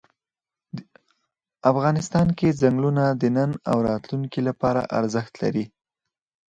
افغانستان کې ځنګلونه د نن او راتلونکي لپاره ارزښت لري.